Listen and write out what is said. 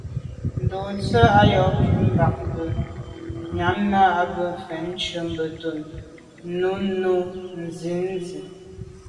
Ndùse à swe’ nkum bag mbi nyam nà à ba mfetnjù Benntùn nèn nô nsi nzi.